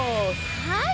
はい。